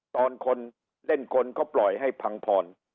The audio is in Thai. ตอนคนเล่นคนเขาปล่อยให้พังพร